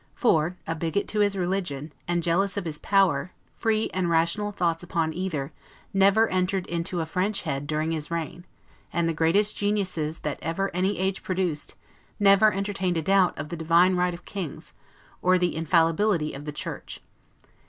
For, a bigot to his religion, and jealous of his power, free and rational thoughts upon either, never entered into a French head during his reign; and the greatest geniuses that ever any age produced, never entertained a doubt of the divine right of Kings, or the infallibility of the Church.